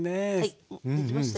できましたよ。